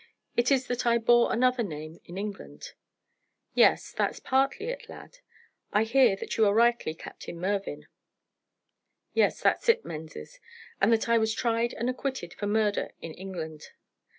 It is that I bore another name in England." "Yes, that's partly it, lad. I hear that you are rightly Captain Mervyn." "Yes, that's it, Menzies, and that I was tried and acquitted for murder in England."